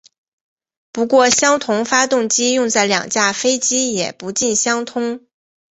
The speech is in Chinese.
不过相同发动机用在两架飞机也不尽相通。